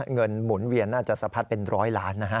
หมุนเวียนน่าจะสะพัดเป็นร้อยล้านนะฮะ